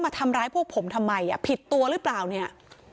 ทำร้ายพวกผมทำไมอ่ะผิดตัวหรือเปล่าเนี่ย